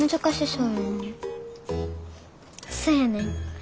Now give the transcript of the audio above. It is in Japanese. そやねん。